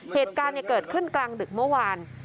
เหตุการณ์เกิดขึ้นกลางดึกเมื่อวาน